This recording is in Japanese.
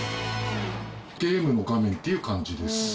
ゲームの画面っていう感じです。